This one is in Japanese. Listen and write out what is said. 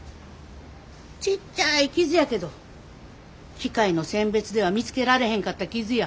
ちっちゃい傷やけど機械の選別では見つけられへんかった傷や。